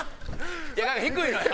いやだから低いのよ。